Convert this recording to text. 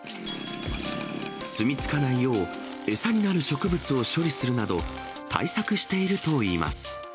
住み着かないよう、餌になる植物を処理するなど、対策しているといいます。